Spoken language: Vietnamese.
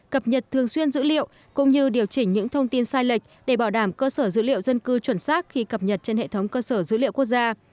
cập nhật thường xuyên dữ liệu cũng như điều chỉnh những thông tin sai lệch để bảo đảm cơ sở dữ liệu dân cư chuẩn xác khi cập nhật trên hệ thống cơ sở dữ liệu quốc gia